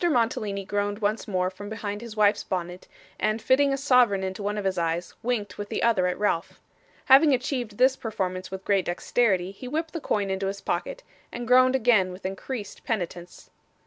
Mantalini groaned once more from behind his wife's bonnet, and fitting a sovereign into one of his eyes, winked with the other at Ralph. Having achieved this performance with great dexterity, he whipped the coin into his pocket, and groaned again with increased penitence.